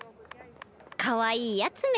かわいいやつめ。